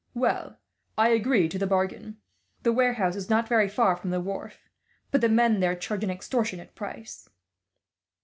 Well, I agree to the bargain. The warehouse is not very far from the wharf, but the men there charge an extortionate price."